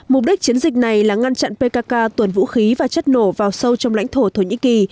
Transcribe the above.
mục đích chiến dịch này là ngăn chặn pkk tuần vũ khí và chất nổ vào sâu trong lãnh thổ thổ nhĩ kỳ